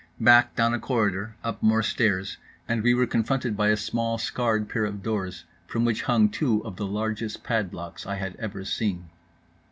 Back, down a corridor, up more stairs; and we were confronted by a small scarred pair of doors from which hung two of the largest padlocks I had ever seen.